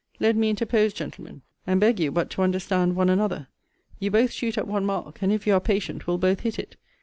Let me interpose, gentlemen, and beg you but to understand one another. You both shoot at one mark; and, if you are patient, will both hit it.